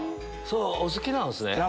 お好きなんすね。